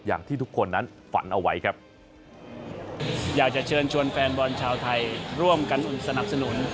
อย่างที่ทุกคนนั้นฝันเอาไว้ครับ